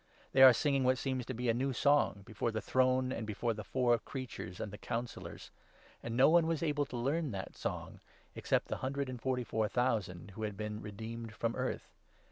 They are singing what seems to be a 3 new song, before the throne, and before the four Creatures and the Councillors ; and no one was able to learn that song except the hundred and forty four thousand who had been re deemed from earth.